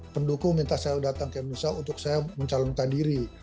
pendukung minta saya datang ke indonesia untuk saya mencalonkan diri